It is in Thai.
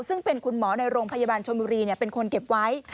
ซึ่งเป็นคุณหมอในโรงพยาบาลชนบุรีเป็นคนเก็บไว้